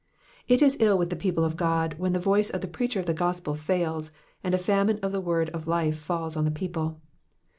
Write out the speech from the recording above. It is ill with the people of God when the voice of the preacher of the gospel fails, and a famine of the word of life falls on the people.